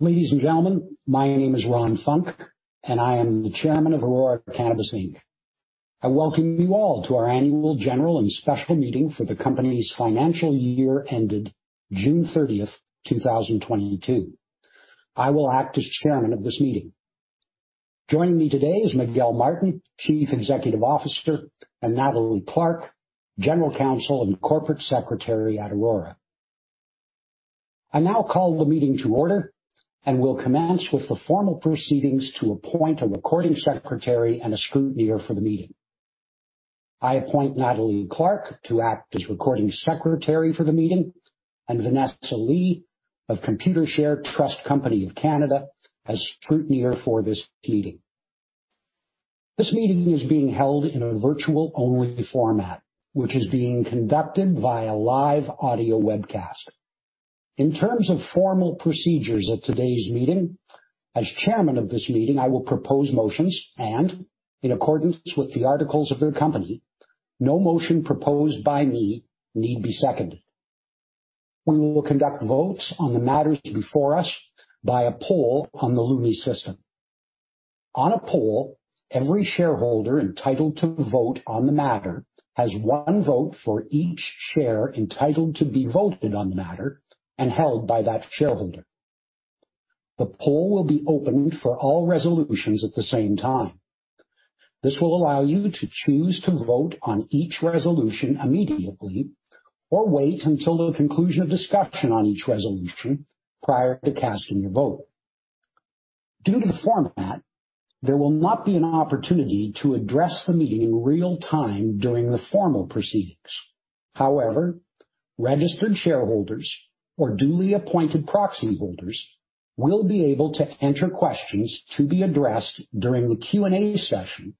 Ladies and gentlemen, my name is Ron Funk, and I am the Chairman of Aurora Cannabis Inc. I welcome you all to our annual general and special meeting for the company's financial year ended June 30th, 2022. I will act as chairman of this meeting. Joining me today is Miguel Martin, Chief Executive Officer, and Nathalie Clark, General Counsel and Corporate Secretary at Aurora. I now call the meeting to order and will commence with the formal proceedings to appoint a recording secretary and a scrutineer for the meeting. I appoint Nathalie Clark to act as recording secretary for the meeting and Vanessa Lee of Computershare Trust Company of Canada as scrutineer for this meeting. This meeting is being held in a virtual-only format, which is being conducted via live audio webcast. In terms of formal procedures at today's meeting, as chairman of this meeting, I will propose motions and in accordance with the articles of the company, no motion proposed by me need be seconded. We will conduct votes on the matters before us by a poll on the Lumi system. On a poll, every shareholder entitled to vote on the matter has one vote for each share entitled to be voted on the matter and held by that shareholder. The poll will be opened for all resolutions at the same time. This will allow you to choose to vote on each resolution immediately or wait until the conclusion of discussion on each resolution prior to casting your vote. Due to the format, there will not be an opportunity to address the meeting in real-time during the formal proceedings. However, registered shareholders or duly appointed proxy holders will be able to enter questions to be addressed during the Q&A session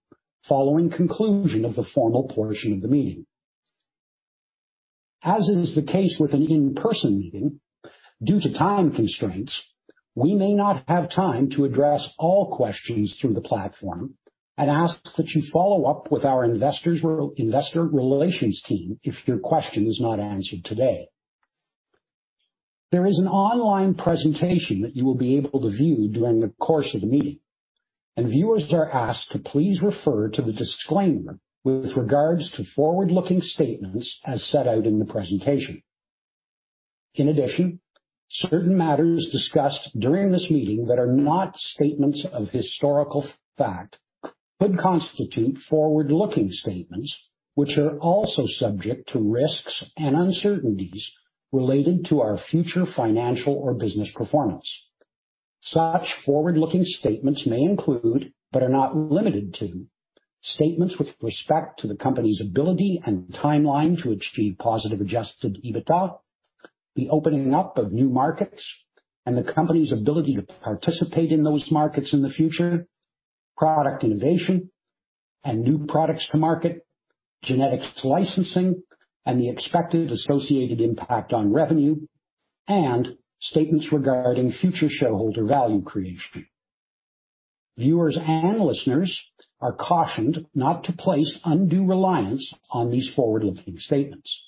following conclusion of the formal portion of the meeting. As is the case with an in-person meeting, due to time constraints, we may not have time to address all questions through the platform and ask that you follow up with our Investor Relations team if your question is not answered today. There is an online presentation that you will be able to view during the course of the meeting, and viewers are asked to please refer to the disclaimer with regards to forward-looking statements as set out in the presentation. In addition, certain matters discussed during this meeting that are not statements of historical fact could constitute forward-looking statements, which are also subject to risks and uncertainties related to our future financial or business performance. Such forward-looking statements may include, but are not limited to, statements with respect to the company's ability and timeline to achieve positive Adjusted EBITDA, the opening up of new markets and the company's ability to participate in those markets in the future, product innovation and new products to market, genetics licensing and the expected associated impact on revenue, and statements regarding future shareholder value creation. Viewers and listeners are cautioned not to place undue reliance on these forward-looking statements.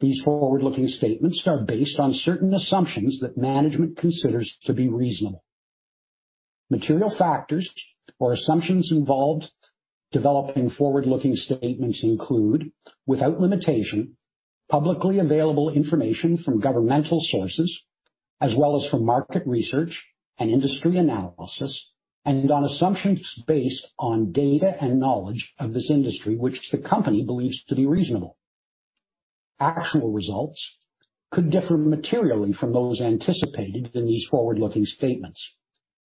These forward-looking statements are based on certain assumptions that management considers to be reasonable. Material factors or assumptions involved developing forward-looking statements include, without limitation, publicly available information from governmental sources as well as from market research and industry analysis, and on assumptions based on data and knowledge of this industry which the company believes to be reasonable. Actual results could differ materially from those anticipated in these forward-looking statements,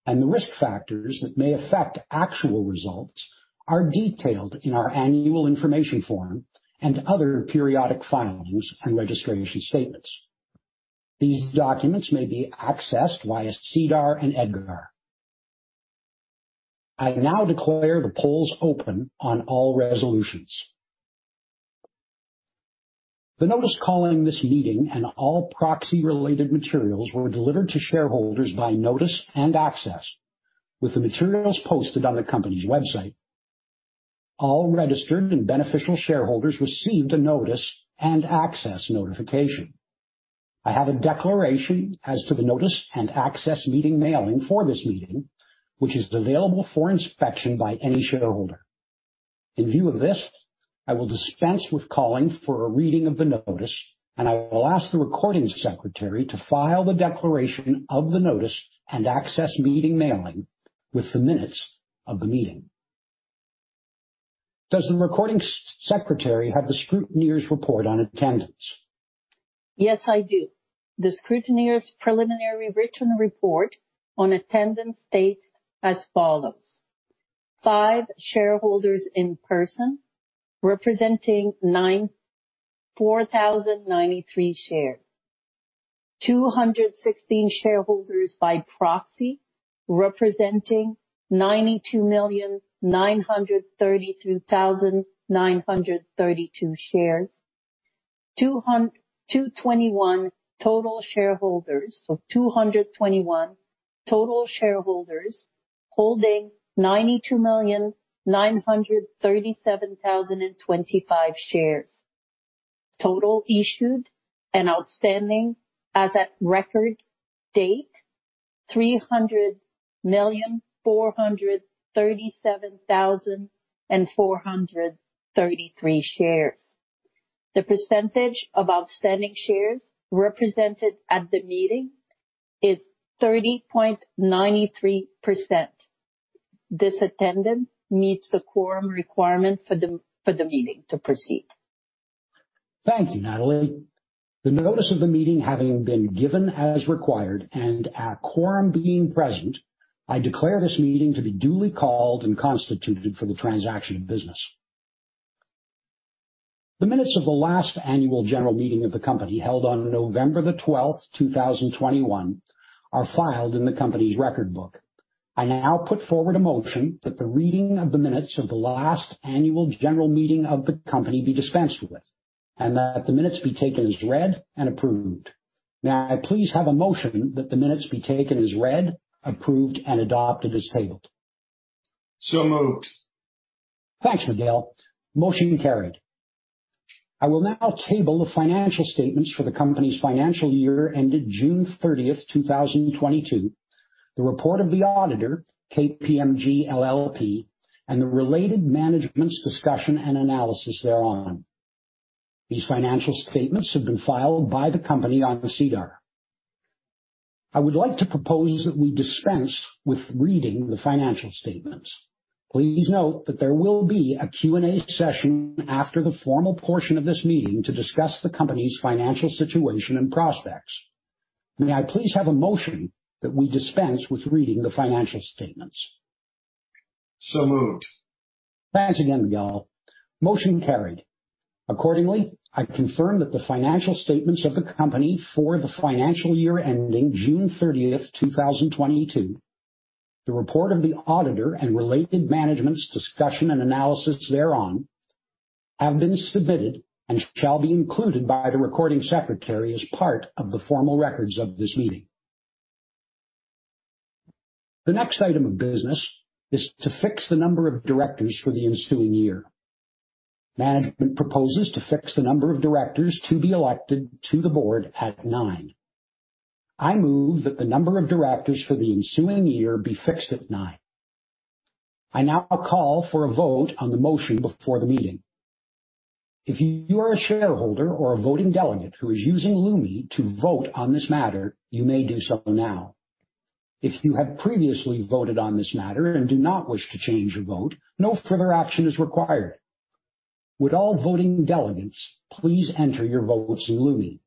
and the risk factors that may affect actual results are detailed in our annual information form and other periodic filings and registration statements. These documents may be accessed via SEDAR and EDGAR. I now declare the polls open on all resolutions. The notice calling this meeting and all proxy related materials were delivered to shareholders by notice and access, with the materials posted on the company's website. All registered and beneficial shareholders received a notice and access notification. I have a declaration as to the notice and access meeting mailing for this meeting, which is available for inspection by any shareholder. In view of this, I will dispense with calling for a reading of the notice, and I will ask the recording secretary to file the declaration of the notice and access meeting mailing with the minutes of the meeting. Does the recording secretary have the scrutineer's report on attendance? Yes, I do. The scrutineer's preliminary written report on attendance states as follows. Five shareholders in person representing 904,093 shares. 216 shareholders by proxy representing 92,932,932 shares. 221 total shareholders. So 221 total shareholders holding 92,937,025 shares. Total issued and outstanding as at record date, 300,437,433 shares. The percentage of outstanding shares represented at the meeting is 30.93%. This attendance meets the quorum requirement for the meeting to proceed. Thank you, Nathalie. The notice of the meeting having been given as required and a quorum being present, I declare this meeting to be duly called and constituted for the transaction of business. The minutes of the last annual general meeting of the company held on November 12th, 2021, are filed in the company's record book. I now put forward a motion that the reading of the minutes of the last annual general meeting of the company be dispensed with, and that the minutes be taken as read and approved. May I please have a motion that the minutes be taken as read, approved and adopted as tabled. So moved. Thanks, Miguel. Motion carried. I will now table the financial statements for the company's financial year ended June 30th, 2022. The report of the auditor, KPMG LLP, and the related management's discussion and analysis thereon. These financial statements have been filed by the company on the SEDAR. I would like to propose that we dispense with reading the financial statements. Please note that there will be a Q&A session after the formal portion of this meeting to discuss the company's financial situation and prospects. May I please have a motion that we dispense with reading the financial statements. So moved. Thanks again, Miguel. Motion carried. Accordingly, I confirm that the financial statements of the company for the financial year ending June 30th, 2022, the report of the auditor and related management's discussion and analysis thereon, have been submitted and shall be included by the recording secretary as part of the formal records of this meeting. The next item of business is to fix the number of directors for the ensuing year. Management proposes to fix the number of directors to be elected to the board at nine. I move that the number of directors for the ensuing year be fixed at nine. I now call for a vote on the motion before the meeting. If you are a shareholder or a voting delegate who is using Lumi to vote on this matter, you may do so now. If you have previously voted on this matter and do not wish to change your vote, no further action is required. Would all voting delegates please enter your votes in Lumi?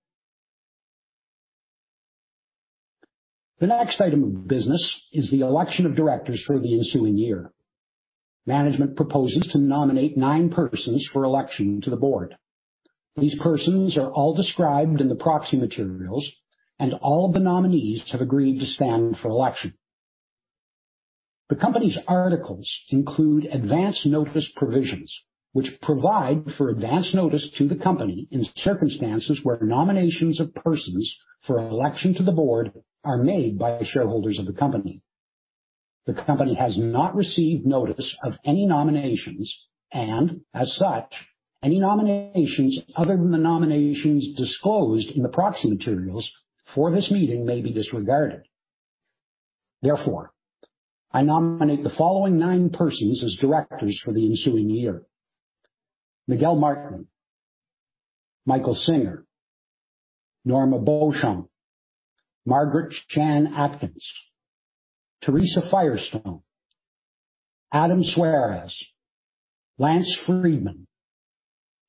The next item of business is the election of directors for the ensuing year. Management proposes to nominate nine persons for election to the board. These persons are all described in the proxy materials, and all the nominees have agreed to stand for election. The company's articles include advance notice provisions, which provide for advance notice to the company in circumstances where nominations of persons for election to the board are made by shareholders of the company. The company has not received notice of any nominations and, as such, any nominations other than the nominations disclosed in the proxy materials for this meeting may be disregarded. Therefore, I nominate the following nine persons as directors for the ensuing year. Miguel Martin, Michael Singer, Norma Beauchamp, Margaret Shan Atkins, Theresa Firestone, Adam Szweras, Lance Friedmann,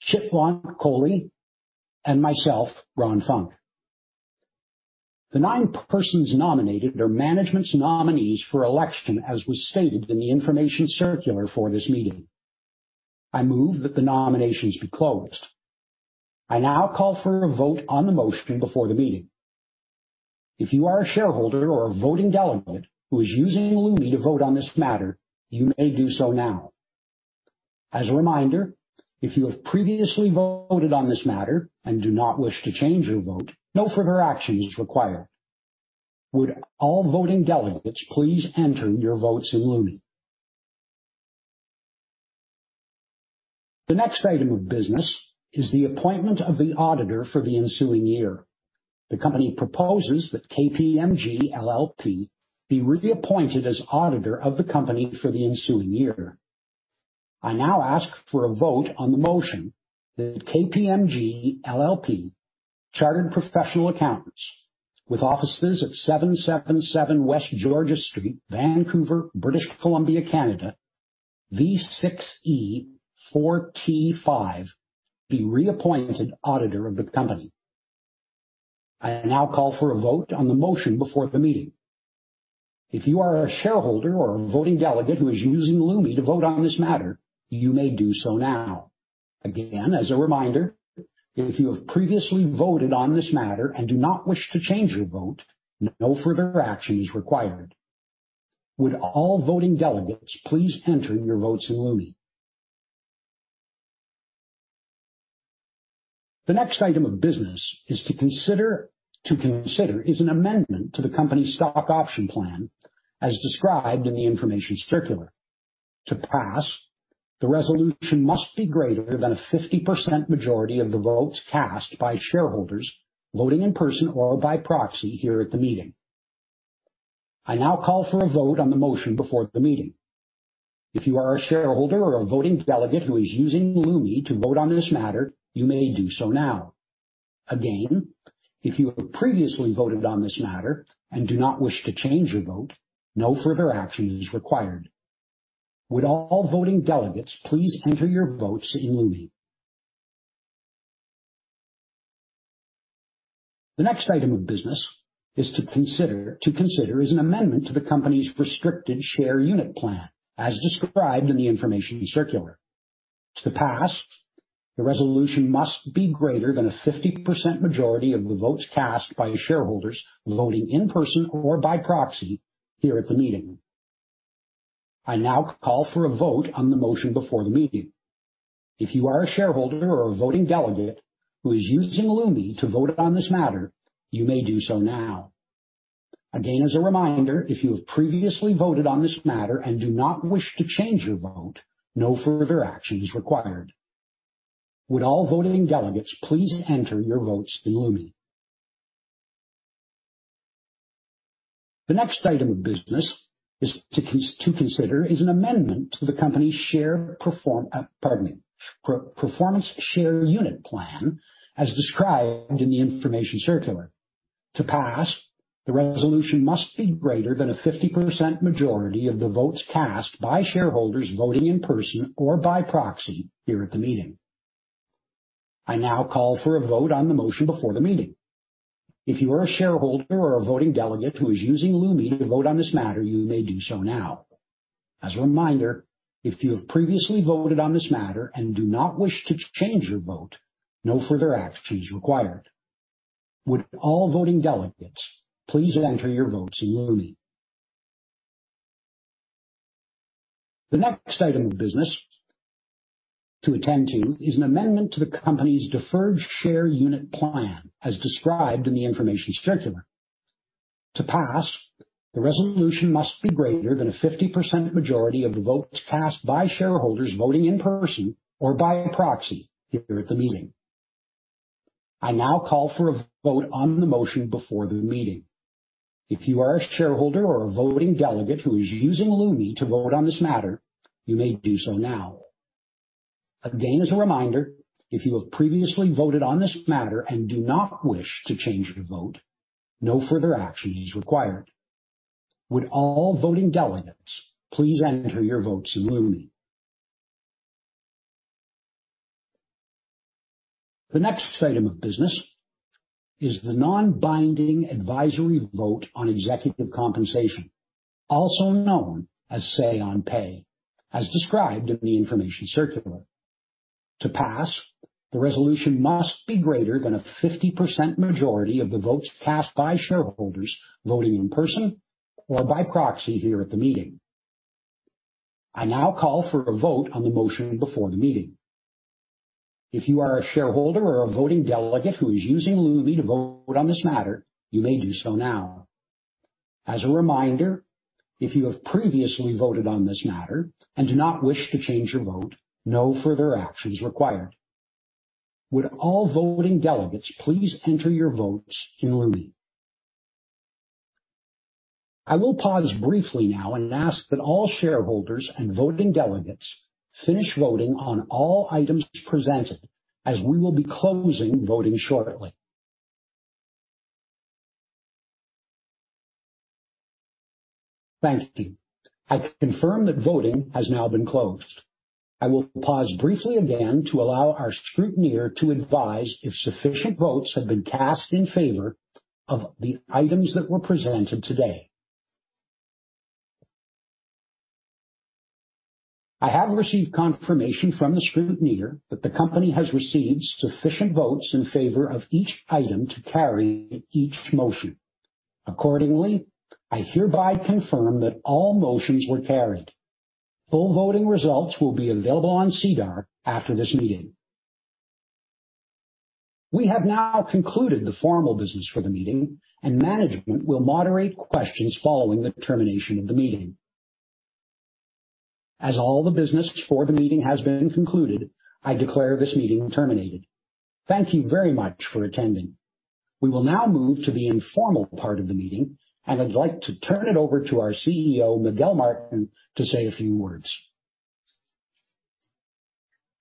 Chitwant Kohli, and myself, Ronald Funk. The nine persons nominated are management's nominees for election, as was stated in the information circular for this meeting. I move that the nominations be closed. I now call for a vote on the motion before the meeting. If you are a shareholder or a voting delegate who is using Lumi to vote on this matter, you may do so now. As a reminder, if you have previously voted on this matter and do not wish to change your vote, no further action is required. Would all voting delegates please enter your votes in Lumi? The next item of business is the appointment of the auditor for the ensuing year. The company proposes that KPMG LLP be reappointed as auditor of the company for the ensuing year. I now ask for a vote on the motion that KPMG LLP, chartered professional accountants with offices at 777 West Georgia Street, Vancouver, British Columbia, Canada, V6E 4T5, be reappointed auditor of the company. I now call for a vote on the motion before the meeting. If you are a shareholder or a voting delegate who is using Lumi to vote on this matter, you may do so now. Again, as a reminder, if you have previously voted on this matter and do not wish to change your vote, no further action is required. Would all voting delegates please enter your votes in Lumi. The next item of business is to consider is an amendment to the company's stock option plan as described in the information circular. To pass, the resolution must be greater than a 50% majority of the votes cast by shareholders voting in person or by proxy here at the meeting. I now call for a vote on the motion before the meeting. If you are a shareholder or a voting delegate who is using Lumi to vote on this matter, you may do so now. Again, if you have previously voted on this matter and do not wish to change your vote, no further action is required. Would all voting delegates please enter your votes in Lumi? The next item of business is to consider is an amendment to the company's restricted share unit plan as described in the information circular. To pass, the resolution must be greater than a 50% majority of the votes cast by shareholders voting in person or by proxy here at the meeting. I now call for a vote on the motion before the meeting. If you are a shareholder or a voting delegate who is using Lumi to vote on this matter, you may do so now. Again, as a reminder, if you have previously voted on this matter and do not wish to change your vote, no further action is required. Would all voting delegates please enter your votes in Lumi. The next item of business is to consider an amendment to the company's performance share unit plan as described in the information circular. To pass, the resolution must be greater than a 50% majority of the votes cast by shareholders voting in person or by proxy here at the meeting. I now call for a vote on the motion before the meeting. If you are a shareholder or a voting delegate who is using Lumi to vote on this matter, you may do so now. As a reminder, if you have previously voted on this matter and do not wish to change your vote, no further action is required. Would all voting delegates please enter your votes in Lumi. The next item of business to attend to is an amendment to the company's deferred share unit plan as described in the information circular. To pass, the resolution must be greater than a 50% majority of the votes cast by shareholders voting in person or by proxy here at the meeting. I now call for a vote on the motion before the meeting. If you are a shareholder or a voting delegate who is using Lumi to vote on this matter, you may do so now. Again, as a reminder, if you have previously voted on this matter and do not wish to change your vote, no further action is required. Would all voting delegates please enter your votes in Lumi. The next item of business is the non-binding advisory vote on executive compensation, also known as say-on-pay, as described in the information circular. To pass, the resolution must be greater than a 50% majority of the votes cast by shareholders voting in person or by proxy here at the meeting. I now call for a vote on the motion before the meeting. If you are a shareholder or a voting delegate who is using Lumi to vote on this matter, you may do so now. As a reminder, if you have previously voted on this matter and do not wish to change your vote, no further action is required. Would all voting delegates please enter your votes in Lumi? I will pause briefly now and ask that all shareholders and voting delegates finish voting on all items presented as we will be closing voting shortly. Thank you. I confirm that voting has now been closed. I will pause briefly again to allow our scrutineer to advise if sufficient votes have been cast in favor of the items that were presented today. I have received confirmation from the scrutineer that the company has received sufficient votes in favor of each item to carry each motion. Accordingly, I hereby confirm that all motions were carried. Full voting results will be available on SEDAR after this meeting. We have now concluded the formal business for the meeting, and management will moderate questions following the termination of the meeting. As all the business for the meeting has been concluded, I declare this meeting terminated. Thank you very much for attending. We will now move to the informal part of the meeting, and I'd like to turn it over to our CEO, Miguel Martin, to say a few words.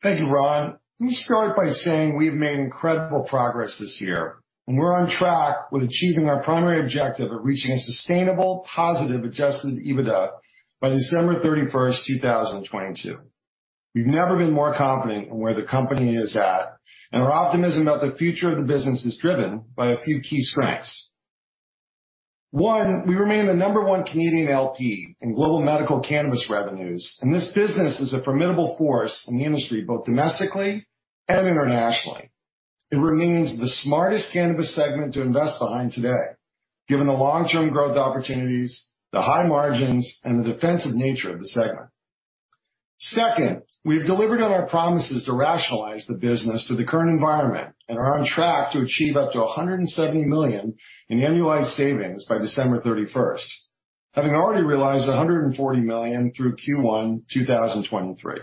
Thank you, Ron. Let me start by saying we've made incredible progress this year, and we're on track with achieving our primary objective of reaching a sustainable positive Adjusted EBITDA by December 31st, 2022. We've never been more confident in where the company is at, and our optimism about the future of the business is driven by a few key strengths. One, we remain the number one Canadian LP in global medical cannabis revenues, and this business is a formidable force in the industry, both domestically and internationally. It remains the smartest cannabis segment to invest behind today, given the long-term growth opportunities, the high margins, and the defensive nature of the segment. Second, we have delivered on our promises to rationalize the business to the current environment and are on track to achieve up to 170 million in annualized savings by December 31st, 2022. Having already realized 140 million through Q1 2023.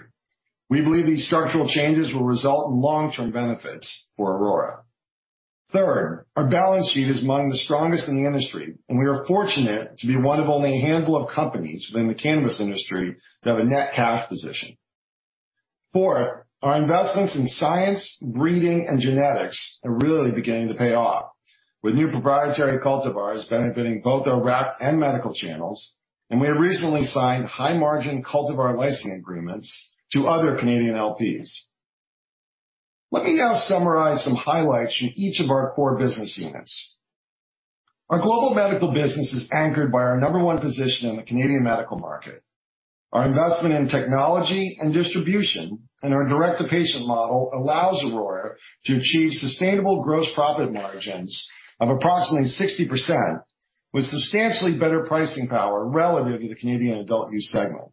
We believe these structural changes will result in long-term benefits for Aurora. Third, our balance sheet is among the strongest in the industry, and we are fortunate to be one of only a handful of companies within the cannabis industry that have a net cash position. Fourth, our investments in science, breeding, and genetics are really beginning to pay off with new proprietary cultivars benefiting both our rec and medical channels, and we have recently signed high-margin cultivar licensing agreements to other Canadian LPs. Let me now summarize some highlights from each of our four business units. Our global medical business is anchored by our number one position in the Canadian medical market. Our investment in technology and distribution and our direct-to-patient model allows Aurora to achieve sustainable gross profit margins of approximately 60%, with substantially better pricing power relative to the Canadian adult use segment.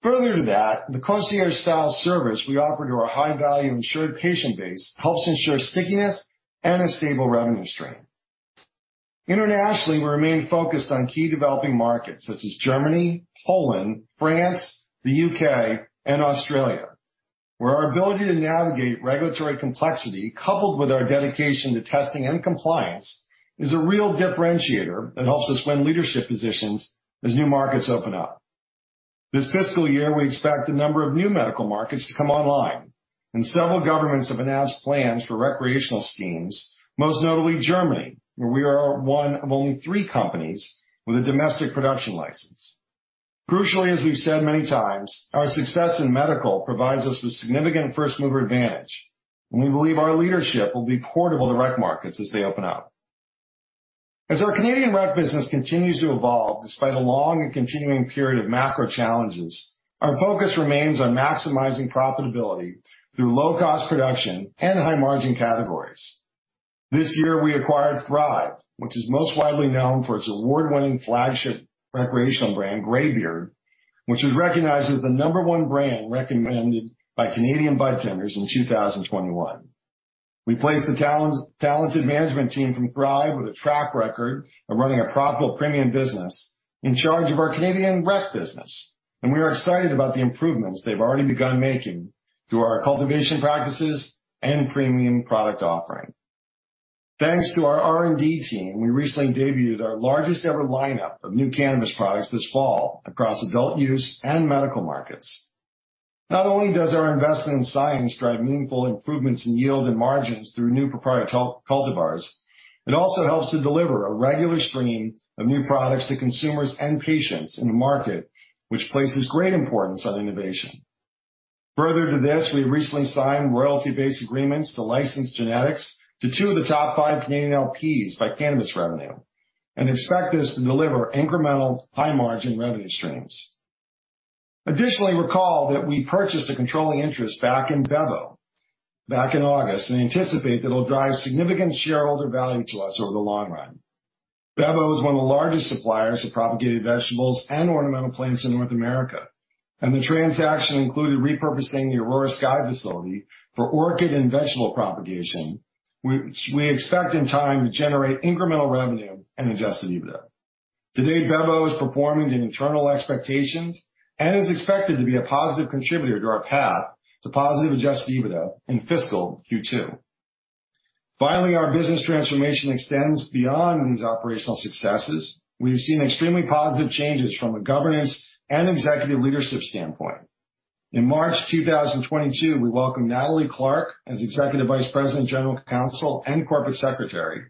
Further to that, the concierge style service we offer to our high-value insured patient base helps ensure stickiness and a stable revenue stream. Internationally, we remain focused on key developing markets such as Germany, Poland, France, the U.K., and Australia, where our ability to navigate regulatory complexity coupled with our dedication to testing and compliance is a real differentiator that helps us win leadership positions as new markets open up. This fiscal year, we expect a number of new medical markets to come online, and several governments have announced plans for recreational schemes, most notably Germany, where we are one of only three companies with a domestic production license. Crucially, as we've said many times, our success in medical provides us with significant first-mover advantage, and we believe our leadership will be portable to rec markets as they open up. As our Canadian rec business continues to evolve despite a long and continuing period of macro challenges, our focus remains on maximizing profitability through low-cost production and high-margin categories. This year we acquired Thrive, which is most widely known for its award-winning flagship recreational brand, Greybeard, which was recognized as the number one brand recommended by Canadian budtenders in 2021. We placed the talented management team from Thrive with a track record of running a profitable premium business in charge of our Canadian rec business, and we are excited about the improvements they've already begun making to our cultivation practices and premium product offering. Thanks to our R&D team, we recently debuted our largest ever lineup of new cannabis products this fall across adult use and medical markets. Not only does our investment in science drive meaningful improvements in yield and margins through new proprietary cultivars, it also helps to deliver a regular stream of new products to consumers and patients in a market which places great importance on innovation. Further to this, we recently signed royalty-based agreements to license genetics to two of the top five Canadian LPs by cannabis revenue and expect this to deliver incremental high-margin revenue streams. Additionally, recall that we purchased a controlling interest back in Bevo back in August and anticipate that it'll drive significant shareholder value to us over the long run. Bevo is one of the largest suppliers of propagated vegetables and ornamental plants in North America, and the transaction included repurposing the Aurora Sky facility for orchid and vegetable propagation, we expect in time to generate incremental revenue and Adjusted EBITDA. To date, Bevo is performing to internal expectations and is expected to be a positive contributor to our path to positive Adjusted EBITDA in fiscal Q2. Finally, our business transformation extends beyond these operational successes. We've seen extremely positive changes from a governance and executive leadership standpoint. In March 2022, we welcomed Nathalie Clark as Executive Vice President, General Counsel, and Corporate Secretary.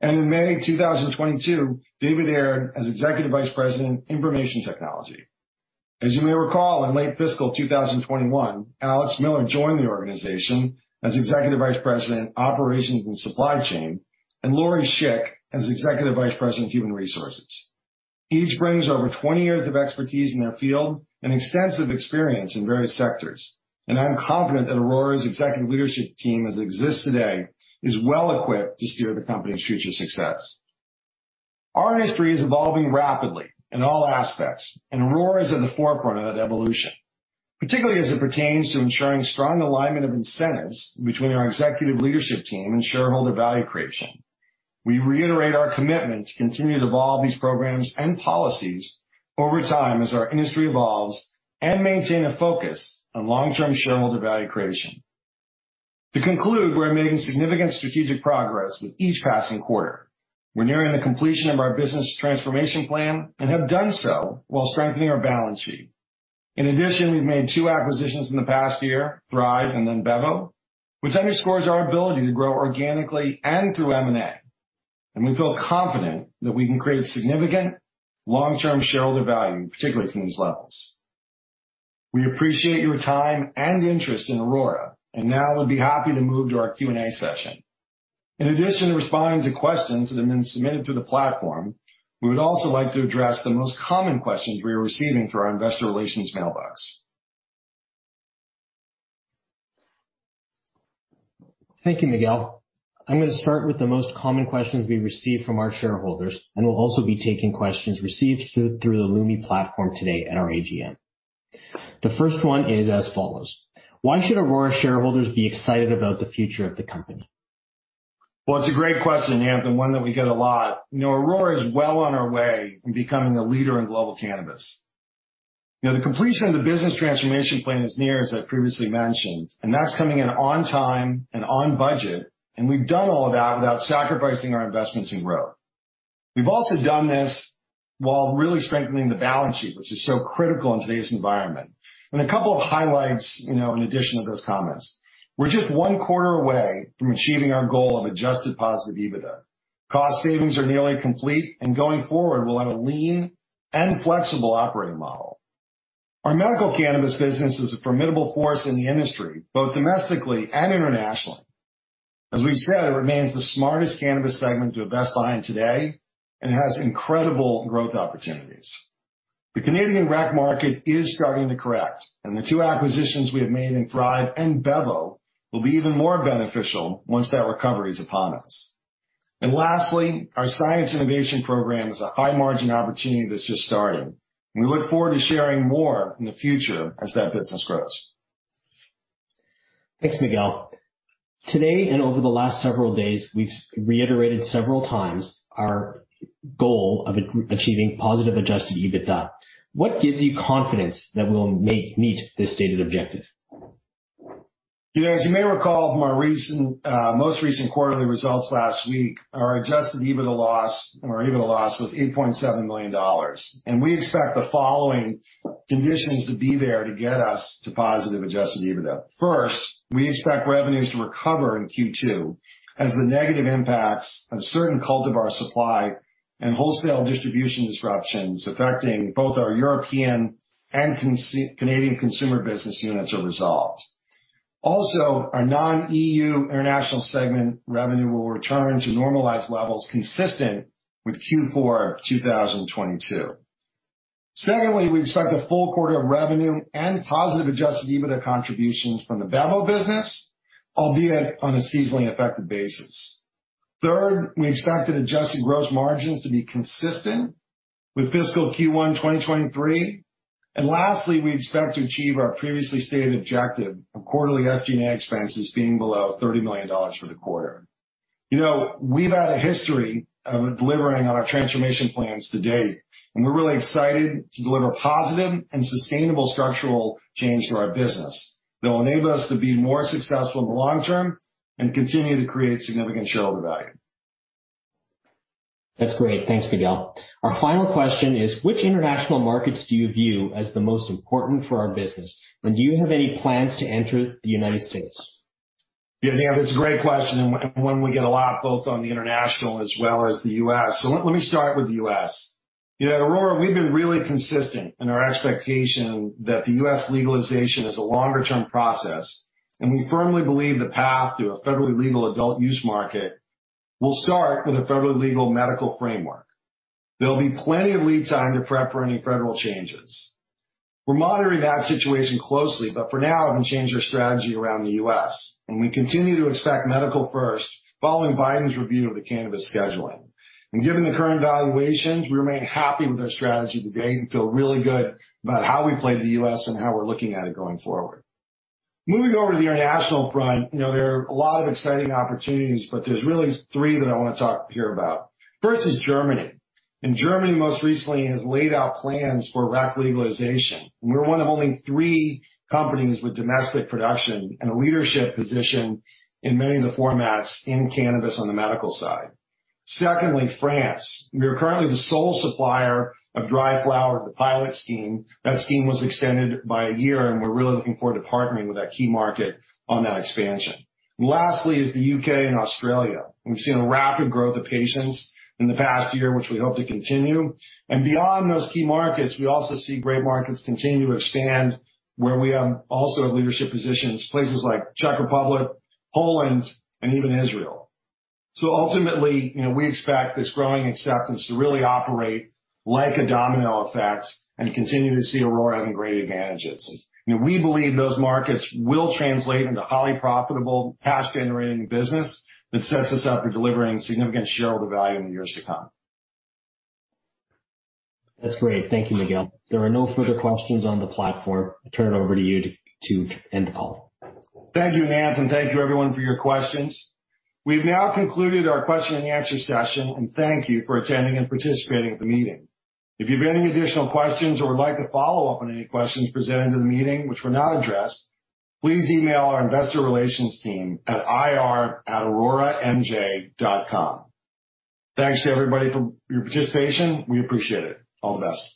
In May 2022, David Aird as Executive Vice President, Information Technology. As you may recall, in late fiscal 2021, Alex Miller joined the organization as Executive Vice President, Operations and Supply Chain, and Lori Schick as Executive Vice President, Human Resources. Each brings over 20 years of expertise in their field and extensive experience in various sectors. I'm confident that Aurora's executive leadership team as it exists today is well equipped to steer the company's future success. Our industry is evolving rapidly in all aspects, and Aurora is at the forefront of that evolution, particularly as it pertains to ensuring strong alignment of incentives between our executive leadership team and shareholder value creation. We reiterate our commitment to continue to evolve these programs and policies over time as our industry evolves and maintain a focus on long-term shareholder value creation. To conclude, we're making significant strategic progress with each passing quarter. We're nearing the completion of our business transformation plan and have done so while strengthening our balance sheet. In addition, we've made two acquisitions in the past year, Thrive and then Bevo, which underscores our ability to grow organically and through M&A, and we feel confident that we can create significant long-term shareholder value, particularly from these levels. We appreciate your time and interest in Aurora, and now I would be happy to move to our Q&A session. In addition to responding to questions that have been submitted through the platform, we would also like to address the most common questions we are receiving through our Investor Relations mailbox. Thank you, Miguel. I'm gonna start with the most common questions we receive from our shareholders, and we'll also be taking questions received through the Lumi platform today at our AGM. The first one is as follows: Why should Aurora shareholders be excited about the future of the company? Well, it's a great question, yeah, and one that we get a lot. You know, Aurora is well on our way in becoming a leader in global cannabis. You know, the completion of the business transformation plan is near, as I previously mentioned, and that's coming in on time and on budget, and we've done all of that without sacrificing our investments in growth. We've also done this while really strengthening the balance sheet, which is so critical in today's environment. A couple of highlights, you know, in addition to those comments. We're just one quarter away from achieving our goal of adjusted positive EBITDA. Cost savings are nearly complete, and going forward, we'll have a lean and flexible operating model. Our medical cannabis business is a formidable force in the industry, both domestically and internationally. As we've said, it remains the smartest cannabis segment to invest behind today and has incredible growth opportunities. The Canadian rec market is starting to correct, and the two acquisitions we have made in Thrive and Bevo will be even more beneficial once that recovery is upon us. Lastly, our science innovation program is a high-margin opportunity that's just starting. We look forward to sharing more in the future as that business grows. Thanks, Miguel. Today and over the last several days, we've reiterated several times our goal of achieving positive Adjusted EBITDA. What gives you confidence that we'll meet this stated objective? You know, as you may recall from our recent, most recent quarterly results last week, our Adjusted EBITDA loss or EBITDA loss was 8.7 million dollars, and we expect the following conditions to be there to get us to positive Adjusted EBITDA. First, we expect revenues to recover in Q2 as the negative impacts of certain cultivars supply and wholesale distribution disruptions affecting both our European and Canadian consumer business units are resolved. Also, our non-EU international segment revenue will return to normalized levels consistent with Q4 of 2022. Secondly, we expect a full quarter of revenue and positive Adjusted EBITDA contributions from the Bevo business, albeit on a seasonally affected basis. Third, we expect adjusted gross margins to be consistent with fiscal Q1 2023. Lastly, we expect to achieve our previously stated objective of quarterly SG&A expenses being below 30 million dollars for the quarter. You know, we've had a history of delivering on our transformation plans to date, and we're really excited to deliver positive and sustainable structural change to our business that will enable us to be more successful in the long term and continue to create significant shareholder value. That's great. Thanks, Miguel. Our final question is: Which international markets do you view as the most important for our business, and do you have any plans to enter the United States? Yeah, that's a great question and one we get a lot, both on the international as well as the U.S. Let me start with the U.S. You know, at Aurora, we've been really consistent in our expectation that the U.S. legalization is a longer-term process, and we firmly believe the path to a federally legal adult use market will start with a federally legal medical framework. There'll be plenty of lead time to prep for any federal changes. We're monitoring that situation closely, but for now, we haven't changed our strategy around the U.S., and we continue to expect medical first following Biden's review of the cannabis rescheduling. Given the current valuations, we remain happy with our strategy to date and feel really good about how we play the U.S. and how we're looking at it going forward. Moving over to the international front, you know, there are a lot of exciting opportunities, but there's really three that I wanna talk here about. First is Germany, and Germany most recently has laid out plans for rec legalization. We're one of only three companies with domestic production and a leadership position in many of the formats in cannabis on the medical side. Secondly, France. We are currently the sole supplier of dry flower to the pilot scheme. That scheme was extended by a year, and we're really looking forward to partnering with that key market on that expansion. Lastly is the U.K. and Australia. We've seen a rapid growth of patients in the past year, which we hope to continue. Beyond those key markets, we also see great markets continue to expand where we also have leadership positions, places like Czech Republic, Poland, and even Israel. Ultimately, you know, we expect this growing acceptance to really operate like a domino effect and to continue to see Aurora having great advantages. You know, we believe those markets will translate into highly profitable cash-generating business that sets us up for delivering significant shareholder value in the years to come. That's great. Thank you, Miguel. There are no further questions on the platform. I turn it over to you to end the call. Thank you, Nath, and thank you everyone for your questions. We've now concluded our question-and-answer session, and thank you for attending and participating at the meeting. If you have any additional questions or would like to follow up on any questions presented in the meeting which were not addressed, please email our Investor Relations team at ir@auroramj.com. Thanks to everybody for your participation. We appreciate it. All the best.